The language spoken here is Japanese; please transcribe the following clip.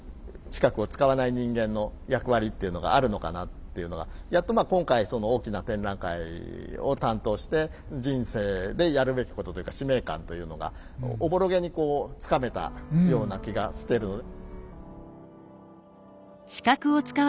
視覚を使わない人間の役割っていうのがあるのかなっていうのはやっと今回大きな展覧会を担当して人生でやるべきことというか使命感というのがおぼろげにこうつかめたような気がしてる。